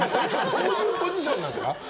どういうポジションなんですか。